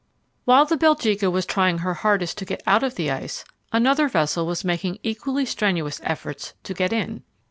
While the Belgica was trying her hardest to get out of the ice, another vessel was making equally strenuous efforts to get in.